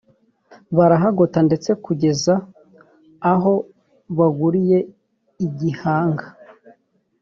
barahagota ndetse kugeza aho baguriye igihanga